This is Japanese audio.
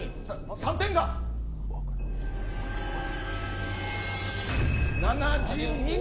３点が７２人。